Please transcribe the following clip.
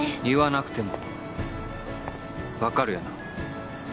言わなくてもわかるよな？